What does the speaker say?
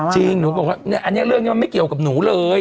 จริงอันนี้เรื่องนี้ไม่เกี่ยวกับหนูเลย